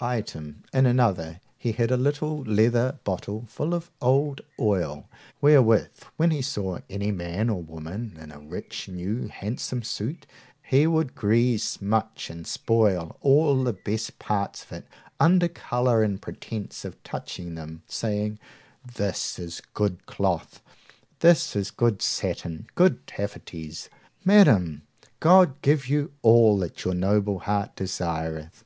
Item, in another he had a little leather bottle full of old oil, wherewith, when he saw any man or woman in a rich new handsome suit, he would grease, smutch, and spoil all the best parts of it under colour and pretence of touching them, saying, This is good cloth; this is good satin; good taffeties! Madam, God give you all that your noble heart desireth!